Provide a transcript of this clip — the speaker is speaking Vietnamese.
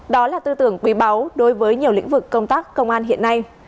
đó là tư tưởng quý báu đối với nhiều lĩnh vực công tác công an hiện nay